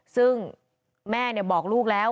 ซึ่งแม่บอกลูกแล้ว